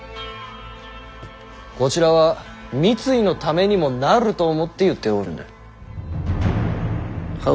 こちらは三井のためにもなると思って言っておるのだ。